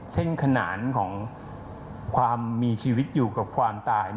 ขนานของความมีชีวิตอยู่กับความตาย